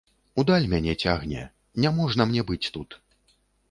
У даль мяне цягне, не можна мне быць тут.